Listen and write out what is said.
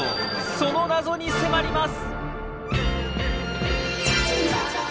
その謎に迫ります！